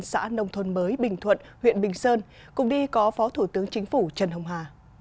xã nông thôn mới bình thuận huyện bình sơn cùng đi có phó thủ tướng chính phủ trần hồng hà